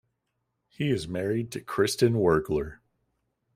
He is married to Kristin Wurgler.